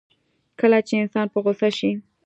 کله چې انسان په غوسه شي.